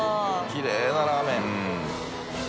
きれいなラーメン。